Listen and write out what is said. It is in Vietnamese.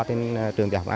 trên trường tiểu học nga